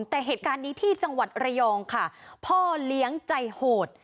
แต่เหตุการณ์นี้ที่จังหวัดระยองค่ะพ่อเลี้ยงใจโหด